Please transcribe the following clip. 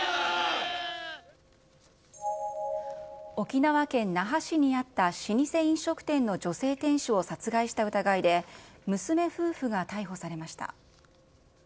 沖縄県那覇市にあった老舗飲食店の女性店主を殺害した疑いで、娘夫婦が逮捕されました。